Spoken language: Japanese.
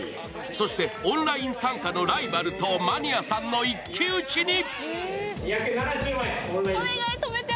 そしてオンライン参加のライバルとマニアさんの一騎打ちに。